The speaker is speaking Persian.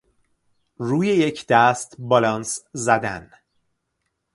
روی یک دست بالانس زدن